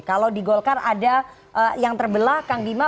kalau di golkar ada yang terbelah kang bima